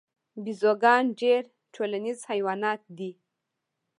بیزوګان ډیر ټولنیز حیوانات دي